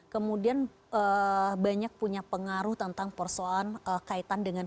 kemudian banyak punya pengaruh tentang persoalan kaitan dengan